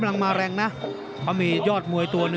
ครับครับครับครับครับครับครับ